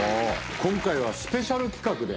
２鵑スペシャル企画で。